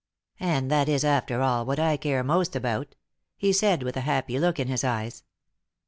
"And that is, after all, what I care most about," he said, with a happy look in his eyes.